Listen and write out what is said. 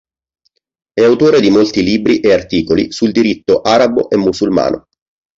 È autore di molti libri e articoli sul diritto arabo e musulmano.